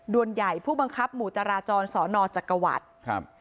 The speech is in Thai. วนใหญ่ผู้บังคับหมู่จราจรสอนอจักรวรรดิครับ